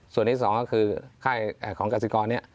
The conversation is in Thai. ส่วนนี้สองก็คือค่ายของกาศิกรเนี่ย